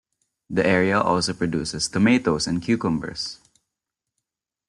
The area also produces tomatoes and cucumbers.